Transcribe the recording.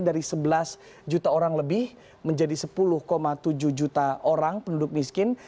dari sebelas juta orang lebih menjadi sepuluh tujuh juta orang penduduk miskin